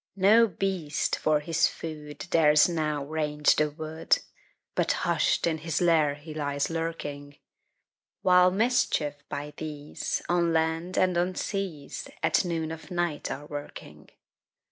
No beast, for his food, Dares now range the wood, But hush'd in his lair he lies lurking; While mischiefs, by these, On land and on seas, At noon of night are a working.